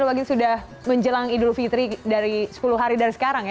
apalagi sudah menjelang idul fitri dari sepuluh hari dari sekarang ya